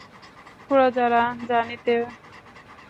প্রজারা জানিতে পারিবে!